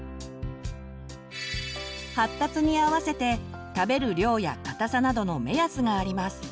発達に合わせて食べる量や硬さなどの目安があります。